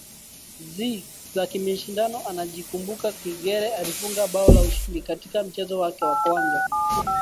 za kimashindano anajibuKumbuka Kagere alifunga bao la ushindi katika mchezo wake wa kwanza